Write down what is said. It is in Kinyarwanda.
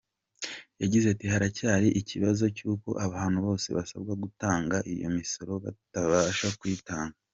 Yagize ati “Haracyari ikibazo cy’uko abantu bose basabwa gutanga iyo misoro batabasha kuyitanga.